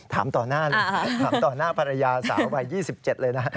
ถามต่อหน้าเลยถามต่อหน้าภรรยาสาววัย๒๗เลยนะ